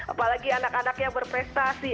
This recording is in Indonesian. apalagi anak anaknya berprestasi